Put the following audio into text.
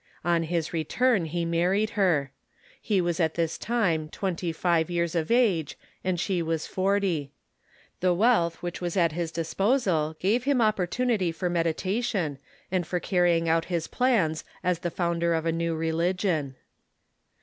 On his return he married her. He was at this time twenty five years of age, and she was forty. The Avealth which was at his disposal gave him opportunity for meditation, and for carrying out his plans as the founder of a new religion.